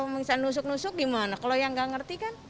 misalnya nusuk nusuk di mana kalau yang gak ngerti kan